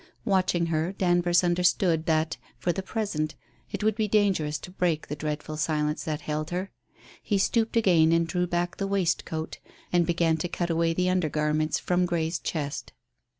Watching her, Danvers understood that, for the present, it would be dangerous to break the dreadful silence that held her. He stooped again and drew back the waistcoat and began to cut away the under garments from Grey's chest.